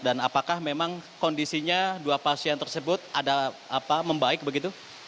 dan apakah memang kondisinya dua pasien tersebut ada apa membaik begitu